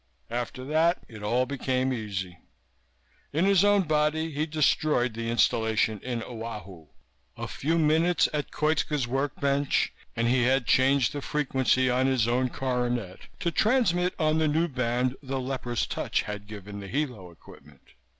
After that it all became easy. In his own body he destroyed the installation in Oahu. A few minutes at Koitska's work bench, and he had changed the frequency on his own coronet to transmit on the new band the leper's touch had given the Hilo equipment.